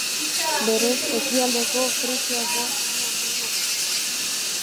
Berez, Ekialdeko Frisiako hiri handiena da.